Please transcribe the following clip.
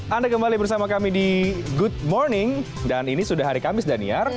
anda kembali bersama kami di good morning dan ini sudah hari kamis daniar